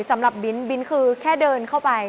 สำหรับบริ้นบริ้นคือแค่เดินเข้าไป